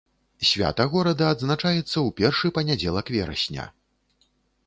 Свята горада адзначаецца ў першы панядзелак верасня.